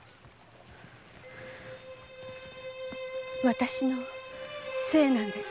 私のせいなんです。